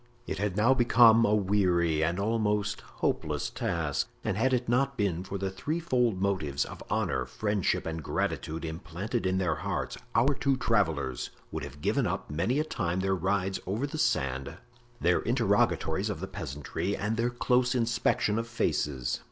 It had now become a weary and almost hopeless task, and had it not been for the threefold motives of honor, friendship and gratitude, implanted in their hearts, our two travelers would have given up many a time their rides over the sand, their interrogatories of the peasantry and their close inspection of faces.